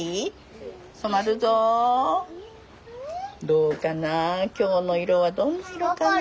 どうかな今日の色はどんな色かな？